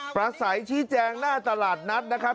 ประสัยชี้แจงหน้าตลาดนัดนะครับ